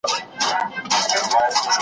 زهٔ به هغه جنت څهٔ کړم چې دوزخ يې دروازه ده